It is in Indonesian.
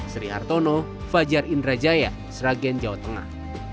sri hartono fajar indrajaya sragen jawa tengah